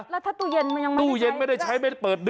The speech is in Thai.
แล้วถ้าตู้เย็นมันยังไม่ได้ใช้ปั๊กไป